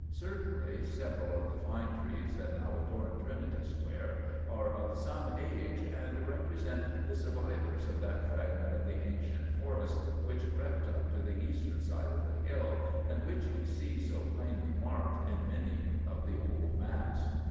Certainly several of the fine trees that now adorn Trinity Square are of some age, and represent the survivors of that fragment of the ancient forest which crept up to the eastern side of the hill, and which we see so plainly marked in many of the old maps.